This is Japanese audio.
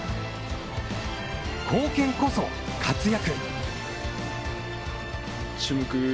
「貢献こそ活躍」